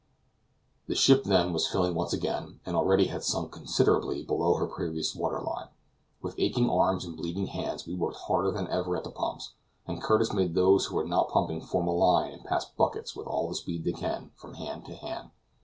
The ship, then, was filling once again, and already had sunk considerably below her previous water line. With aching arms and bleeding hands we worked harder than ever at the pumps, and Curtis makes those who are not pumping form a line and pass buckets, with all the speed they can, from hand to hand.